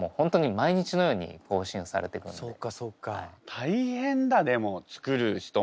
大変だでも作る人も。